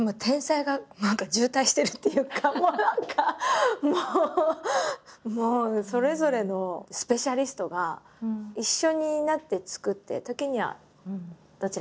何かすごいもうそれぞれのスペシャリストが一緒になって作って時にはどちらかが前に。